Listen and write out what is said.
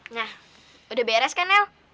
nah udah beres kan nel